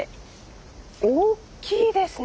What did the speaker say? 大きいですね。